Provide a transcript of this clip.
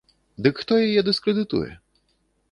Дык хто яе дыскрэдытуе?